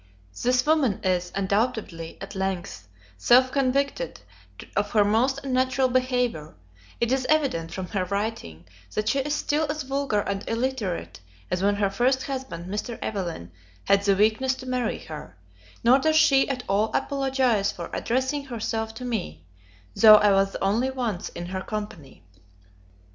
This woman is, undoubtedly, at length, self convicted of her most unnatural behaviour; it is evident, from her writing, that she is still as vulgar and illiterate as when her first husband, Mr. Evelyn, had the weakness to marry her; nor does she at all apologize for addressing herself to me, though I was only once in her company.